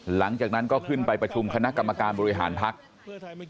หลังจากนั้นก็ขึ้นไปประชุมคณะกรรมการบริหารภักดิ์